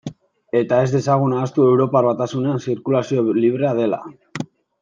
Eta ez dezagun ahaztu Europar Batasunean zirkulazioa librea dela?